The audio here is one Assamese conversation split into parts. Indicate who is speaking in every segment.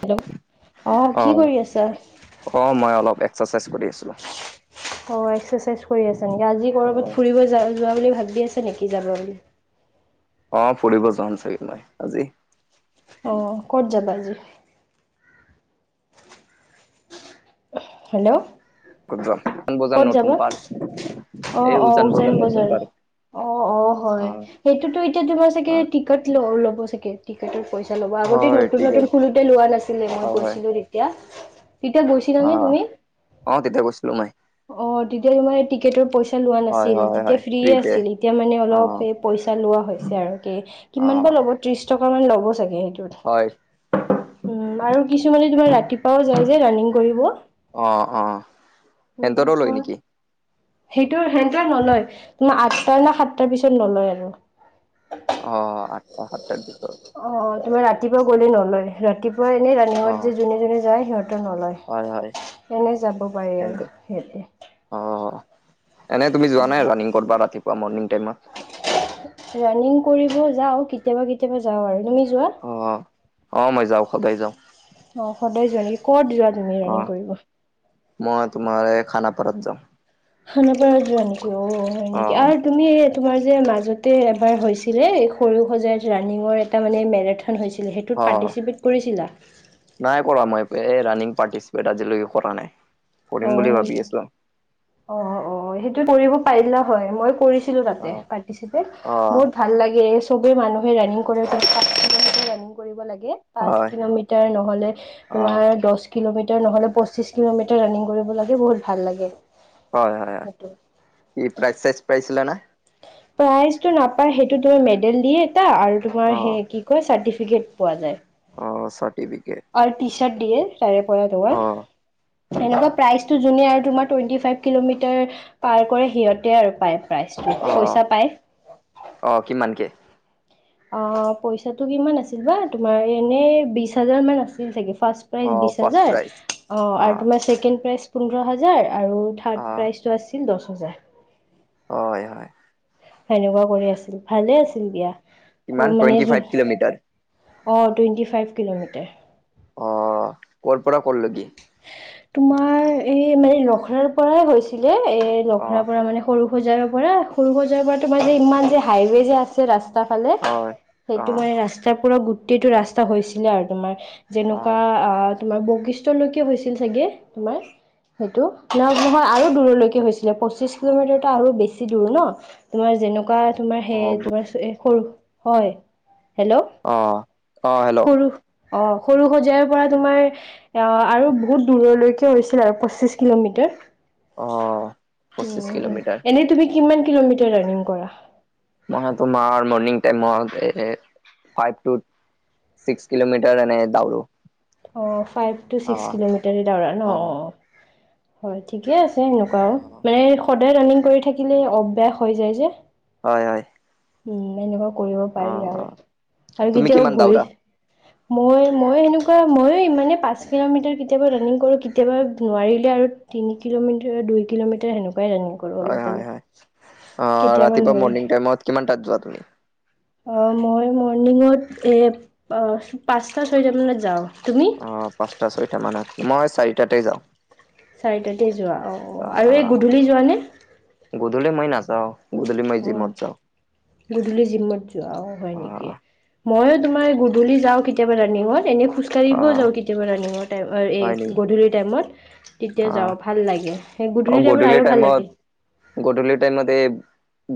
Speaker 1: হেল্ল' অ কি কৰি আছা?
Speaker 2: অ মই অলপ এক্সাৰচাইজ কৰি আছিলো।
Speaker 1: অ এক্সাৰচাইজ কৰি আছা নেকি আজি কৰ'বাত
Speaker 2: অ',
Speaker 1: ফুৰিব যা যোৱা বুলি ভাবি আছে নেকি
Speaker 2: অ ফুৰিব যাম চাগে মই আজি।
Speaker 1: অঁ ক'ত যাবা আজি? হেল্ল'।
Speaker 2: উজান বজাৰ
Speaker 1: ক'ত যাবা?
Speaker 2: নতুন পাৰ্ক।
Speaker 1: অ,
Speaker 2: এই
Speaker 1: অ উজান
Speaker 2: নতুন
Speaker 1: বজাৰ।
Speaker 2: পাৰ্ক।
Speaker 1: অ, অ হয়,
Speaker 2: অ',
Speaker 1: সেইটোতো এতিয়া তোমাৰ চাগে টিকট ল ল'ব চাগে টিকেটৰ পইচা ল'ব আগতে
Speaker 2: হয়
Speaker 1: নতুন
Speaker 2: ঠিক
Speaker 1: নতুন
Speaker 2: আছে
Speaker 1: খুলোঁতে লোৱা নাছিলে মই
Speaker 2: হয় হয়
Speaker 1: গৈছিলোঁ দে- তেতিয়া, তেতিয়া গৈছিলা নে
Speaker 2: অ',
Speaker 1: তুমি?
Speaker 2: অ তেতিয়া কৈছিলো মই।
Speaker 1: অ তেতিয়া তোমাৰ টিকেটৰ পইচা লোৱা
Speaker 2: হয়
Speaker 1: নাছিল
Speaker 2: হয়
Speaker 1: তেতিয়া
Speaker 2: হয়
Speaker 1: ফ্ৰী
Speaker 2: ফ্ৰীতে
Speaker 1: আছিল এতিয়া মানে
Speaker 2: অ',
Speaker 1: অলপ পইচা লোৱা হৈছে আৰু কে‌ কিমান বা
Speaker 2: অ',
Speaker 1: লব ত্ৰিশ টকা মান ল'ব চাগে সেইটোত-
Speaker 2: হয়।
Speaker 1: উম আৰু কিছুমানে তোমাৰ ৰাতিপুৱাও যায় যে ৰাণিং কৰিব-
Speaker 2: অঁ অঁ
Speaker 1: উম হয়। সেইটো সেনতে নলয় তোমাৰ আঠটাৰ নে সাতটাৰ পিছত নলয় আৰু।
Speaker 2: অ আঠটা সাতটাৰ পিছত-
Speaker 1: অঁ, তোমাৰ ৰাতিপুৱা গ'লেই নলয় ৰাতিপুৱা এনেই ৰানিঙত
Speaker 2: অ',
Speaker 1: যে যোনে যোনে যায় সিহঁতৰ নলয়।
Speaker 2: হয় হয়।
Speaker 1: এনেই যাব পাৰি আৰু
Speaker 2: সেনতে
Speaker 1: সিহঁতে।
Speaker 2: অ, এনেই তুমি যোৱা নাই ৰাণিং কৰা ৰাতিপুৱা মৰ্ণিং টাইমত?
Speaker 1: ৰাণিং কৰিব যাও, কেতিয়াবা কেতিয়াবা যাওঁ আৰু তুমি যোৱা?
Speaker 2: অ, অ মই যাওঁ সদায় যাওঁ।
Speaker 1: অ, সদায় যোৱা নেকি কত যোৱা তুমি ৰানিং
Speaker 2: অ'।
Speaker 1: কৰিব?
Speaker 2: মই তোমাৰ খানাপাৰাত যাওঁ।
Speaker 1: খানা পৰা যোৱা নেকি অ হয় নেকি
Speaker 2: অ',
Speaker 1: আৰু তুমি তোমাৰ যে মাজতে এবাৰ হৈছিলে এই সৰু সজাই ৰানিংৰ এটা মানে মাৰে হৈছিলে সেইটোত
Speaker 2: অ'।
Speaker 1: পাৰ্টিচিপেট কৰিছিলা?
Speaker 2: নাই কৰা মই এই ৰাণিং পাৰ্টিচিপেট আজিলৈকে কৰা নাই
Speaker 1: অ
Speaker 2: কৰিম বুলি
Speaker 1: হয়
Speaker 2: ভাবি
Speaker 1: নেকি
Speaker 2: আছো আৰু।
Speaker 1: অ, অ সেইটো কৰিব পাৰিলে হয়, মই কৰিছিলো তাতে
Speaker 2: অ',
Speaker 1: পাৰটিচিপেট,
Speaker 2: অ',
Speaker 1: বহুত ভাল লাগে চবে মানুহে ৰানিং কৰে ৰাং কৰিব লাগে- পাঁচ
Speaker 2: হয়,
Speaker 1: কিলোমিটাৰ নহলে
Speaker 2: অ',
Speaker 1: তোমাৰ দহ কিলোমিটাৰ নহ'লে পঁচিছ কিলোমিটাৰ ৰানিং কৰিব লাগে বহুত ভাল লাগে।
Speaker 2: হয় হয় হয়
Speaker 1: সেইটো
Speaker 2: কি প্ৰাইজ চাইজ পাইছিলে নে?
Speaker 1: প্ৰাইজটো নাপায় সেইটো তোমাৰ মেডেল দিয়ে এটা আৰু তোমাৰ
Speaker 2: অ',
Speaker 1: সেই কি কয় চাৰ্টিফিকেট পোৱা যায়।
Speaker 2: অ'। [unintelligible]
Speaker 1: আৰু [unintelligible] দিয়ে তাৰে পৰা তোমাৰ।
Speaker 2: অ',
Speaker 1: এনেকুৱা প্ৰাইচটো যোনে আৰু তোমাৰ টুৱেণ্টি ফাইভ কিলোমিটাৰ পাৰ কৰে সিহঁতে আৰু পায় প্ৰাইজটো
Speaker 2: অ',
Speaker 1: পইচা পায়।
Speaker 2: অ' কিমানকে?
Speaker 1: অ, পইচাটো কিমান আছিল বা তুমাৰ এনে বিশ হাজাৰ মান আছিল চাগে ফাৰ্ষ্ট প্ৰাইজ
Speaker 2: অ',
Speaker 1: বিশ
Speaker 2: ফাৰ্ষ্ট
Speaker 1: হাজাৰ
Speaker 2: প্ৰাইজ
Speaker 1: অ, আৰু
Speaker 2: অ',
Speaker 1: তোমাৰ ছেকেণ্ড প্ৰাইজ পোন্ধৰ হাজাৰ আৰু থাৰ্ড
Speaker 2: অ',
Speaker 1: প্ৰাইজটো আছিল দহ হাজাৰ।
Speaker 2: [unintelligible]
Speaker 1: সনেকুৱা কৰি আছিল ভালে আছিল দিয়া
Speaker 2: কিমান
Speaker 1: কৰ মানে
Speaker 2: টুৱেণ্টি
Speaker 1: য
Speaker 2: ফাইভ কিলোমিটাৰ
Speaker 1: অ' টুয়েণ্টি ফাইভ কিলোমিটাৰ।
Speaker 2: অ, কৰ পৰা কৰ লেগি?
Speaker 1: তোমাৰ এই মানে লখৰাৰ পৰাই হৈছিলে এ লখৰাৰ
Speaker 2: অ',
Speaker 1: পৰা মানে সৰু সৰুসজাইৰ পৰা সৰু সজাইৰ পৰা তোমাৰ সেই ইমান যে হাইওয়ে যে আছে ৰাস্তা ফালে
Speaker 2: হয়,
Speaker 1: সেইটো
Speaker 2: অ',
Speaker 1: মানে ৰাস্তাৰ পৰা গোটেইটো ৰাস্তা হৈছিলে আৰু তোমাৰ। যেনেকুৱা
Speaker 2: অ',
Speaker 1: আ তোমাৰ বশিষ্ঠলৈকে হৈছিল চাগে তোমাৰ। সেইটো ন নহয় আৰু দূৰলৈকে হৈছিলে পঁচিশ কিলোমিটাৰতো আৰু বেছি দূৰ ন? তোমাৰ যেনেকুৱা তোমাৰ সেই
Speaker 2: অ',
Speaker 1: তোমাৰ সৰু হয় হেলো
Speaker 2: অ', অ', হেল্ল'।
Speaker 1: সৰু অ' সৰুসজাইৰ পৰা তোমাৰ অ' আৰু বহুত দূৰলৈকে হৈছিল আৰু পঁচিশ কিলোমিটাৰ।
Speaker 2: অ পঁচিছ
Speaker 1: উম,
Speaker 2: কিলোমিটাৰ
Speaker 1: এনেই তুমি কিমান কিলোমিটাৰ ৰাণিং কৰা?
Speaker 2: মই তোমাৰ মৰ্ণিং টাইমত এ ফাইভ তু চিক্স কিলমিটাৰ এনেকে দাউৰো।
Speaker 1: অ' ফাইভ টু
Speaker 2: অ
Speaker 1: ছিক্স কিলোমিটাৰে দাৱৰা ন
Speaker 2: অ
Speaker 1: অ' হয় ঠিকে আছে। এনেকুৱা
Speaker 2: অ
Speaker 1: মানে সদায় ৰানিং কৰি থাকিলে অভ্যাস হৈ যায় যে।
Speaker 2: হয়-হয়।
Speaker 1: উম, এনেকুৱা কৰিব পাৰি
Speaker 2: অ
Speaker 1: আৰু-আৰু
Speaker 2: তুমি কিমান
Speaker 1: কেতিয়াবা ভৰি
Speaker 2: দাউৰা
Speaker 1: মই-মই সেনেকুৱা মই মানে পাঁচ কিলোমিটাৰ কেতিয়াবা ৰানিং কৰো। কেতিয়াবা নোৱাৰিলে আৰু তিনি কিলোমিটাৰ দুই কিলোমিটাৰ সেনেকুৱাই ৰানিং কৰো।
Speaker 2: হয়-হয়-হয় অ' ৰাতিপুৱা
Speaker 1: নোৱাৰিলে
Speaker 2: মৰ্নিং টাইমত কিমান তাত যোৱা তুমি?
Speaker 1: অ, মই মৰ্ণিঙত এ পাঁচটা ছয়টা মানত যাওঁ, তুমি?
Speaker 2: অ, পাঁচটা ছয়টা মানত মই চাৰিটাতে যাওঁ।
Speaker 1: চাৰিটাতে যোৱা
Speaker 2: অ
Speaker 1: অ'-অ' আৰু
Speaker 2: অ
Speaker 1: এই গধূলি যোৱা নে?
Speaker 2: গধূলি মই নাযাওঁ গধূলি মই
Speaker 1: অ'
Speaker 2: জিমত যাওঁ।
Speaker 1: গধূলি জিমত যোৱা অ' হয় নেকি। মইয়ো তোমাৰ গধূলি যাওঁ কেতিয়াবা ৰানিঙত এনেই খোজ
Speaker 2: অ
Speaker 1: কৰিবও যাওঁ কেতিয়াবা ৰানিঙৰ টাইম অ'
Speaker 2: হয়
Speaker 1: এই
Speaker 2: নেকি
Speaker 1: গধূলিৰ টাইমত। তেতিয়া
Speaker 2: অ
Speaker 1: যাওঁ ভাল লাগে সেই গধূলি টাইমত আৰু ভাল লাগে।
Speaker 2: গধূলি টাইমত এ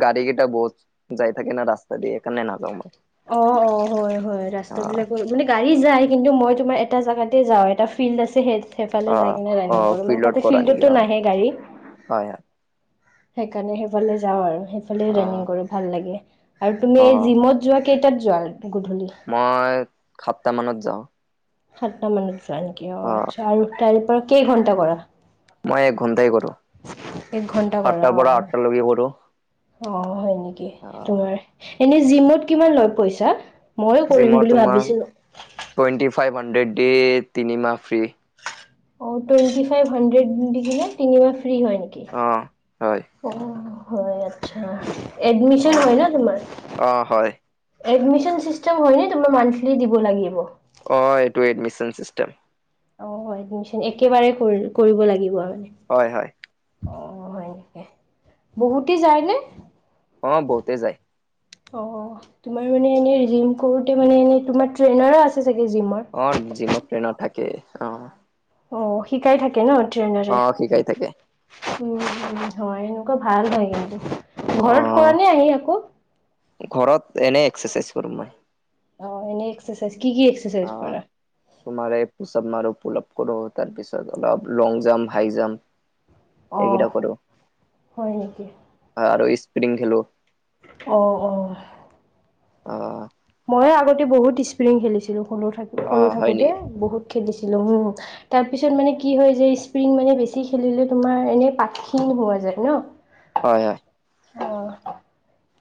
Speaker 2: গাড়ী ঘিটা বহুত যাই থাকে না ৰাস্তাদি সেই কাৰণে নাযাওঁ মই।
Speaker 1: অ', অ' হয়-হয় ৰাস্তা
Speaker 2: অ',
Speaker 1: বিলাকৰ মানে গাড়ী যায় কিন্তু মই তোমাৰ এটা জেগাতে যাওঁ এটা ফিল্ড আছে সেই সেফালে যাই
Speaker 2: অ',
Speaker 1: কিনে ৰানিং
Speaker 2: অ',
Speaker 1: কৰো মানে
Speaker 2: ফিল্ডত
Speaker 1: তাতে
Speaker 2: কৰা নেকি
Speaker 1: ফিলদতটো
Speaker 2: অ',
Speaker 1: নাহে গাড়ী।
Speaker 2: হয়,
Speaker 1: সেইকাৰণে সেইফালে যাওঁ আৰু সেইফালে ৰাণিং
Speaker 2: হয়,
Speaker 1: কৰো। ভাল লাগে আৰু তুমি
Speaker 2: অ',
Speaker 1: এই
Speaker 2: অ',
Speaker 1: জিমত যোৱা কেইটাত যোৱা গধূলি?
Speaker 2: মই সাতটা মানত যাওঁ।
Speaker 1: সাতটা মানত জোৱা নেকি অ' আচছা আৰু তাৰ পৰা কেই ঘণ্টা কৰা?
Speaker 2: মই এক ঘন্টাই কৰো
Speaker 1: এক ঘন্টা কৰা
Speaker 2: সাতটাৰ
Speaker 1: অ
Speaker 2: পৰা আঠটালৈকে কৰো।
Speaker 1: অ' হয় নেকি তোমাৰ এনে জিমত কিমান লৈ পইচা? ময়ো কৰিম
Speaker 2: জিমত
Speaker 1: বুলি
Speaker 2: তোমাৰ
Speaker 1: ভাবিছিলো
Speaker 2: টুৱেণ্টি ফাইভ হাণ্ড্ৰেড দে তিনিমাহ ফ্ৰী।
Speaker 1: অ টুৱেনটি ফাইভ হানড্ৰেড দি দিলে ন তিনিমাহ ফ্ৰী হয় নেকি
Speaker 2: অ', হয়,
Speaker 1: অহ। হয় আচ্ছা এডমিশন হয়
Speaker 2: অ',
Speaker 1: ন তোমাৰ?
Speaker 2: অ', হয়,
Speaker 1: এডমিশন চিষ্টেম হয় ন তোমাৰ মান্থলি দিব লাগিব?
Speaker 2: অ এইটো এডমিশন চিষ্টেম।
Speaker 1: অ এডমিশন একেবাৰে কৰি কৰিব লাগিব আৰু মানে।
Speaker 2: হয় হয়।
Speaker 1: অ হয় নিকি? বহুতে যায়নে?
Speaker 2: অ বহুতে যায়।
Speaker 1: অ তোমাৰ মানে এনে জিম কৰোতে মানে এনে তোমাৰ ট্ৰেইনাৰে আছে চাগে জিমৰ?
Speaker 2: অ জিমত ট্ৰেনাৰ থাকেই অ।
Speaker 1: অ শিকাই থাকে ন ট্ৰেইনাৰে?
Speaker 2: অ', শিকাই থাকে
Speaker 1: উম হয় এনেকুৱা ভাল হয় কিন্তু ঘৰত
Speaker 2: অ',
Speaker 1: কৰা নে আহি আকৌ?
Speaker 2: ঘৰত এনেই এক্সেৰচাইজ কৰো মই।
Speaker 1: অ এনে এক্সেচাইজ কি কি
Speaker 2: অ।
Speaker 1: এক্সাৰচাইজ কৰা?
Speaker 2: তোমাৰে পোচাপ মাৰো, পলাপ কৰো তাৰপিছত অলপ লং জাম্প, হাই জাম্প এইকেইটা
Speaker 1: অ',
Speaker 2: কৰো
Speaker 1: হয় নেকি?
Speaker 2: আৰু স্প্ৰিং খেলো।
Speaker 1: অ অ।
Speaker 2: অ।
Speaker 1: মই আগতে বহুত স্প্ৰিং খেলিছিলো সৰু থা
Speaker 2: অ
Speaker 1: সৰু
Speaker 2: হয়
Speaker 1: থাকোতে,
Speaker 2: নেকি
Speaker 1: বহুত খেলিছিলো উম। তাৰ পিছত মানে কি হয় যে স্প্ৰিং মানে বেছি খেলিলে তোমাৰ এনে পাক্ষীণ হোৱা যায় ন।
Speaker 2: হয়।
Speaker 1: অঁ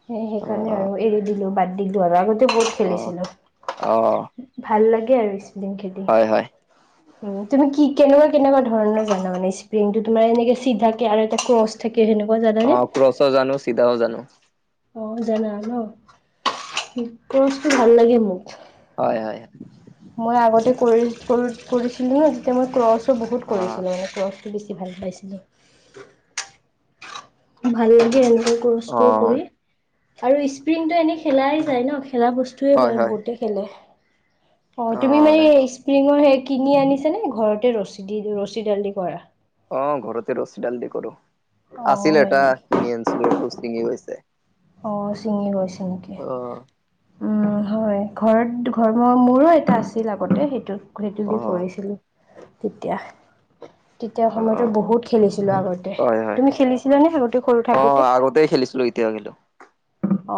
Speaker 1: সেই
Speaker 2: অ
Speaker 1: সেইকাৰণে আৰু এৰি দিলোঁ বাদ দিলোঁ আৰু আগতে বহুত
Speaker 2: অ
Speaker 1: খেলিছিলোঁ,
Speaker 2: অ
Speaker 1: ভাল লাগে আৰু স্প্ৰিং খেলি।
Speaker 2: হয় হয়
Speaker 1: উম তুমি কি কেনেকুৱা - কেনেকুৱা ধৰণৰ বনোৱা মানে স্প্ৰিংটো তোমাৰ এনেকে চিধাকে আৰু এটা ক্ৰচ থাকে সেনেকুৱা জানানে?
Speaker 2: ত জানো, চিধাও জানো।
Speaker 1: অ জানা ন, সী কচটো ভাল লাগে মোক।
Speaker 2: হয় হয়।
Speaker 1: মই আগতে কৰি কৰি কৰিছিলো ন যেতিয়া মই ক্ৰছো বহুত
Speaker 2: অ
Speaker 1: কৰিছিলো মানে ক্ৰচ বেছি ভাল পাইছিলো। ভাল লাগে এনেকৈ
Speaker 2: অ
Speaker 1: কষ্টও কৰি। আৰু স্প্ৰিংটো এনেই খেলাই যায় ন, খেলা বস্তুয়ে হয় বহুতে কেলে, অঁ
Speaker 2: অ
Speaker 1: তুমি মানে এ ইচ স্পিঙৰ সেই কিনি আনিছেনে ঘৰতে ৰছী দি ৰছীডাল দি কৰা?
Speaker 2: অ ঘৰতে ৰছীডাল দি কৰো।
Speaker 1: অ
Speaker 2: আছিল
Speaker 1: হয়
Speaker 2: এটা
Speaker 1: নেকি
Speaker 2: কিনি আনিছিলো সেইটো ছিঙি গৈছে।
Speaker 1: অ ছিঙি গৈছে নেকি?
Speaker 2: অ।
Speaker 1: উম হয় ঘৰত ঘৰ ম মোৰো এটা আছিল আগতে সেইটো সেইটো
Speaker 2: অ
Speaker 1: দি
Speaker 2: অ
Speaker 1: কৰিছিলো তেতিয়া। তেতিয়া সময়তো
Speaker 2: অ
Speaker 1: বহুত খেলিছিলো আগতে,
Speaker 2: হয়
Speaker 1: তুমি খেলিছিলা নে আগতে সৰু থাকোতে?
Speaker 2: আগতেই খেলিছিলো এতিয়া কিন্তু।
Speaker 1: অ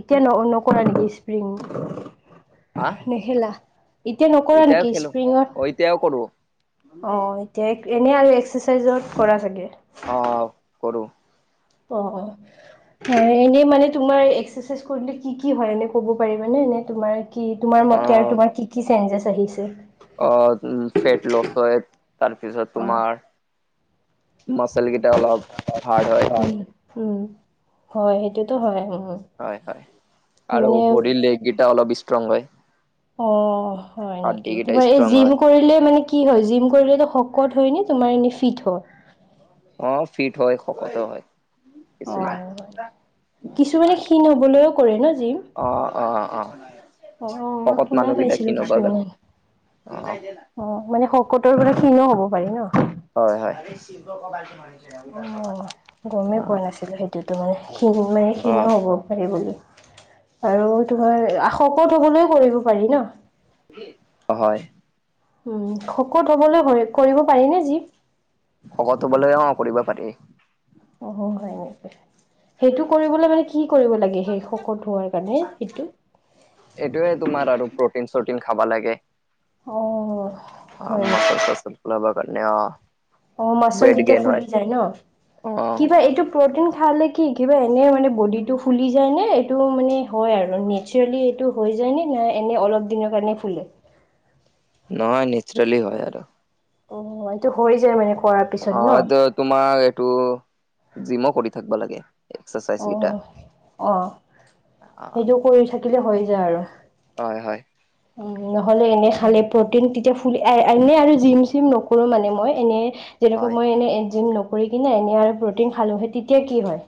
Speaker 1: এতিয়া ন নকৰা নেকি স্প্ৰিং?
Speaker 2: হা?
Speaker 1: নেখেলা এতিয়া নকৰা
Speaker 2: এতিয়াও
Speaker 1: নেকি
Speaker 2: খেলো
Speaker 1: স্প্ৰিঙত?
Speaker 2: অ এতিয়াও কৰো
Speaker 1: অ। এতিয়া এনেই আৰু এক্সাৰচাইজত কৰা চাগে?
Speaker 2: অ কৰো।
Speaker 1: অ অ। এনেই মানে তোমাৰ এক্সাৰচাইজ কৰিলে কি কি হয় এনে ক'ব পাৰিবা নে এ তোমাৰ কি তোমাৰ মতে আৰু
Speaker 2: অ',
Speaker 1: তোমাৰ কি কি চেঞ্জেছ আহিছে?
Speaker 2: অ ফেট লছ হয় তাৰপিছত
Speaker 1: অ
Speaker 2: তোমাৰ মাচল কেইটা অলপ হাৰ্ড হয়।
Speaker 1: উম উম হয় সেইটোতো হয় উম।
Speaker 2: হয় হয় আৰু
Speaker 1: মানে
Speaker 2: ভৰিৰ লেগকেইটা অলপ ষ্ট্ৰং হয়।
Speaker 1: অ হয়
Speaker 2: হাৰ্ডি
Speaker 1: নেকি?
Speaker 2: কেইটা
Speaker 1: তোমাৰ এই
Speaker 2: ষ্ট্ৰং
Speaker 1: জিম
Speaker 2: হয়।
Speaker 1: কৰিলে মানে কি কি হয় জিম কৰিলেটো শকত হয় নে তোমাৰ এনেই ফিট হয়?
Speaker 2: অ ফিট হয় শকতো হয়।
Speaker 1: অ
Speaker 2: কিছুমান।
Speaker 1: কিছুমানে ক্ষীণ হবলৈও কৰে ন জিম?
Speaker 2: অ অ অ
Speaker 1: অ', অ মই
Speaker 2: শকত
Speaker 1: শুনা
Speaker 2: মানুহকেইটা
Speaker 1: পাইছিলো
Speaker 2: ক্ষিন হবৰ কাৰণে
Speaker 1: কিছুমানে।
Speaker 2: অ।
Speaker 1: অ মানে শকতৰ পৰা ক্ষিনো হব পাৰি ন?
Speaker 2: হয় হয় [unintelligible]
Speaker 1: অ গমেই পোৱা নাছিলোঁ, সেইটোতো মানে ক্ষীণ মানে ক্ষীণো হ'ব পাৰি বুলি। আৰু তোমাৰ শকত হবলৈও কৰিব পাৰি ন?
Speaker 2: হয়।
Speaker 1: উম শকত হ'বলৈ কৰিব পাৰিনে জিম?
Speaker 2: শকত হবলৈ অ কৰিব পাৰি।
Speaker 1: উ হ হ হয় নেকি? সেইটো কৰিবলৈ মানে কি কি কৰিব লাগে সেই শকত হোৱাৰ কাৰণে সেইটো?
Speaker 2: এইটোয়ে তোমাৰ আৰু প্ৰটিন চটিন খাবা লাগে।
Speaker 1: অ', হয় নেকি?
Speaker 2: মাচল চাচল ফুলব কাৰণে অ
Speaker 1: অ মাচল
Speaker 2: ৱেট
Speaker 1: যেতিয়া
Speaker 2: গেইন হয়।
Speaker 1: ফুলি যায় ন
Speaker 2: অ',
Speaker 1: কিবা এইটো প্ৰটিন খালে কি কিবা এনেই মানে বডিটো ফুলি যায় নে এইটো মানে হয় আৰু এনে একচোৱেলি এইটো হৈ যায়নে নাই এনেই অলপ দিনৰ কাৰণে ফুলে।
Speaker 2: নহয় নেচাৰেলি হয় আৰু।
Speaker 1: অ এইটো হৈ যায় মানে কৰা
Speaker 2: অ এইটোত তোমাক এইটো জিম' কৰি থাকব লাগে। এক্সাৰচাইজ
Speaker 1: অ
Speaker 2: কেইটা।
Speaker 1: অ সেইটো কৰি থাকিলে হৈ যায় আৰু।
Speaker 2: হয় হয়।
Speaker 1: উম নহলে এনে খালে প্ৰ টিন তেতিয়া ফুলি এনেই আৰু জিম চিম নকৰো মানে মই এনে যেনেকা
Speaker 2: হয়,
Speaker 1: মই এনে জিম ন কৰি কিনে এনেই আৰু প্ৰটিন খালোঁ হেই তেতিয়া কি হয়?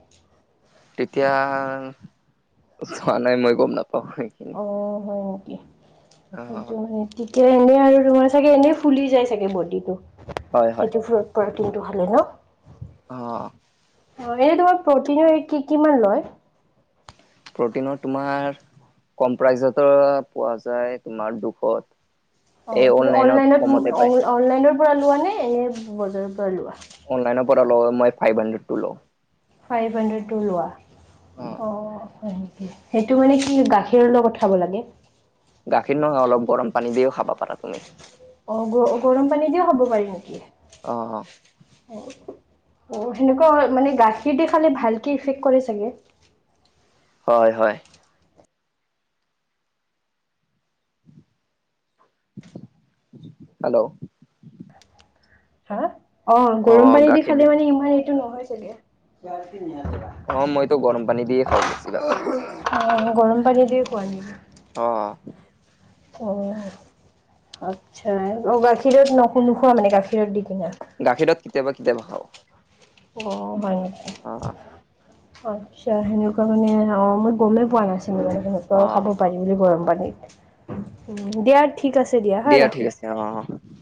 Speaker 2: তেতিয়া চোৱা নাই মই গম নাপাওঁ।
Speaker 1: অ হয় নেকি
Speaker 2: অ',
Speaker 1: সেইটোহে। তেতিয়া এনেই আৰু তোমাৰ চাগে এনেই ফুলি যায় চাগে বডিটো
Speaker 2: হয়, হয়,
Speaker 1: সেইটো প্ৰটিনটো খালে ন?
Speaker 2: অ,
Speaker 1: অ এনে তোমাৰ প্ৰটিনৰ কি কিমান লয়।
Speaker 2: প্ৰটিনৰ তোমাৰ কম প্ৰাইজ পোৱা যায় তোমাৰ দুশত।
Speaker 1: অ
Speaker 2: এই
Speaker 1: তুমি অনলাইনত
Speaker 2: কমতে পায়,
Speaker 1: অনলাইনৰ পৰা লোৱা নে এনে বজাৰৰ পৰা লোৱা?
Speaker 2: অনলাইনৰ পৰা লও মই ফাইভ হানড্ৰেদটো লওঁ।
Speaker 1: ফাইভ হাণ্ড্ৰেড টো লোৱা। অ হয় নিকি? সেইটো মানে কি গাখীৰৰ লগত খাব লাগে।
Speaker 2: গাখীৰ নহয় অলপ গৰম পানী দিও খাবা পাৰা তুমি।
Speaker 1: অ গ গৰম পানী দিও খাব পাৰি নেকি?
Speaker 2: অ, অ,
Speaker 1: অ সেনেকুৱা মানে গাখীৰ দি খালে ভালকে ইফেক্ট কৰে চাগে।
Speaker 2: হয়, হয়, হেল্ল',
Speaker 1: হা অ গৰম
Speaker 2: অ',
Speaker 1: পানী দি
Speaker 2: গাখীৰ
Speaker 1: খালে মানে ইমান এইটো নহয় চাগে।
Speaker 2: অ মইতো গৰম পানী দিয়ে খাওঁ বেছি ভাগ।
Speaker 1: অ গৰম পানী দি খোৱা নি?
Speaker 2: অ।
Speaker 1: উ আচ্ছা অ গাখীৰত নো নোখোৱা মানে গাখীৰত দি কিনে?
Speaker 2: গাখীৰত কেতিয়াবা কেতিয়াবা খাও।
Speaker 1: অ হয় নেকি?
Speaker 2: অ',
Speaker 1: আচ্ছা সেনেকুৱা মানে অ মই গমেই পোৱা নাছ [unintelligible] সেনেকুৱাও খাব
Speaker 2: অ',
Speaker 1: পাৰি বুলি গৰম পানীত। উ দিয়া ঠিক আছে দিয়া হা
Speaker 2: ঠিক
Speaker 1: ৰাখো।
Speaker 2: আছে অ, অ।